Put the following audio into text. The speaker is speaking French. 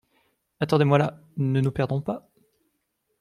Attendez-moi là !… ne nous perdons pas !